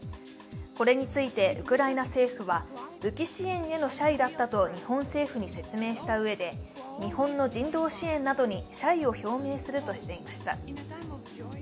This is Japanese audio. これについて、ウクライナ政府は武器支援への謝意だったと日本政府に説明したうえで日本の人道支援などに謝意を表明するとしていました。